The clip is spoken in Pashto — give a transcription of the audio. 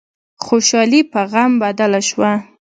خوشحالي په غم بدله شوه.